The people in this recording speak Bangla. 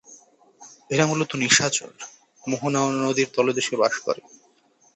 এরা মূলত নিশাচর, মোহনা ও নদীর তলদেশে বাস করে।